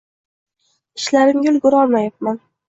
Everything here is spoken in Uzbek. Ishlarimga ulgura olmayapman.